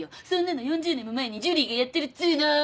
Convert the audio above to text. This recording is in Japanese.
そんなの４０年も前にジュリーがやってるっつうの。